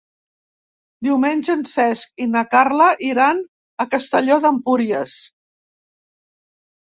Diumenge en Cesc i na Carla iran a Castelló d'Empúries.